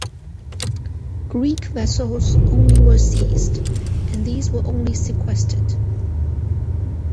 Greek vessels only were seized, and these were only sequestered.